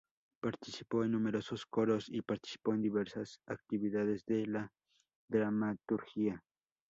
Participó en numerosos coros y participó en diversas actividades de la dramaturgia.